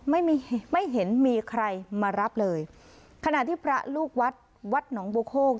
ไม่ไม่เห็นมีใครมารับเลยขณะที่พระลูกวัดวัดหนองบัวโคก